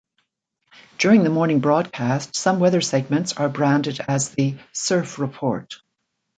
During the morning broadcast, some weather segments are branded as the "Surf Report".